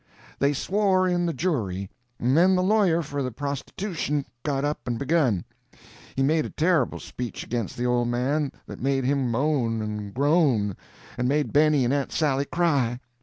They swore in the jury, and then the lawyer for the prostitution got up and begun. He made a terrible speech against the old man, that made him moan and groan, and made Benny and Aunt Sally cry.